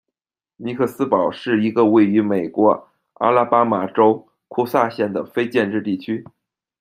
尼克斯堡是一个位于美国阿拉巴马州库萨县的非建制地区。